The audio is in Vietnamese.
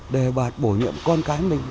để bổ nhiệm con cái mình